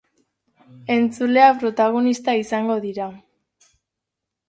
Entzuleak protagonista izango dira.